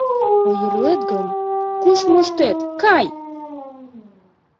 Ойырлет гын, куш моштет — кай!